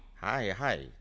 はいはい。